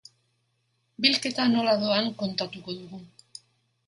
Bilketa nola doan kontatuko dugu.